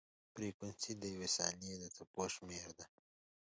فریکونسي د یوې ثانیې د څپو شمېر دی.